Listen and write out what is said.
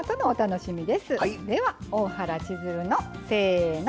では「大原千鶴の」せの。